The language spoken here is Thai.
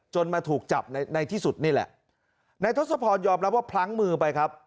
มาถูกจับในในที่สุดนี่แหละนายทศพรยอมรับว่าพลั้งมือไปครับ